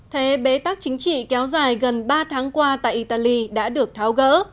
thế bế tắc chính trị kéo dài gần ba tháng qua tại italy đã được tháo gỡ